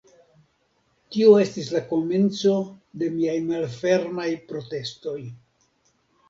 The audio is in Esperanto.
Tio estis la komenco de miaj malfermaj protestoj.